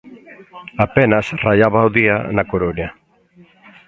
Apenas raiaba o día na Coruña.